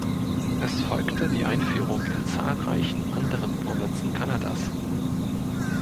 Es folgte die Einführung in zahlreichen anderen Provinzen Kanadas.